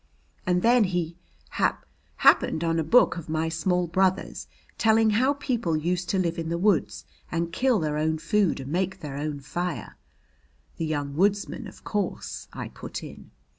And then he hap happened on a book of my small brother's, telling how people used to live in the woods, and kill their own food and make their own fire " "The 'Young Woodsman,' of course," I put in.